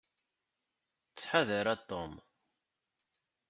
Ttḥadar a Tom.